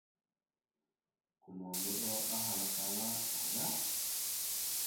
Gomohəndoɗo ahalkala : aaya ?